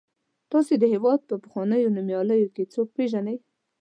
تاسې د هېواد په پخوانیو نومیالیو کې څوک پیژنئ.